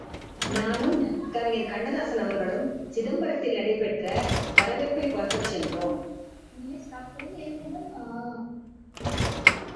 நானும் கவிஞர் கண்ணதாசன் அவர்களும் சிதம்பரத்தில் நடைபெற்ற வவேற்பைப் பார்க்கச் சென்றோம்.